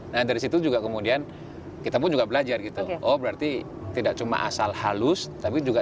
dan dari situ juga kemudian kita pun juga belajar gitu oh berarti tidak cuma asal halus tapi juga